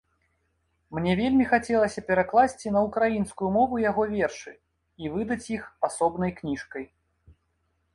Мне вельмі хацелася перакласці на ўкраінскую мову яго вершы і выдаць іх асобнай кніжкай.